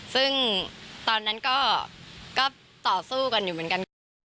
ซึ่งตอนนั้นก็ต่อสู้กันอยู่เหมือนกันค่ะ